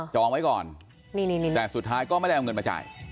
องไว้ก่อนแต่สุดท้ายก็ไม่ได้เอาเงินมาจ่าย